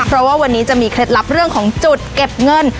เพราะว่าวันนี้จะมีเคล็ดลับเรื่องของจุดเก็บเงิน